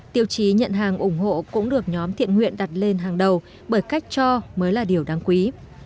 tiêu chí nhận hàng ủng hộ cũng được nhóm thiện nguyện đặt lên hàng đầu bởi cách cho mới là điều đáng quý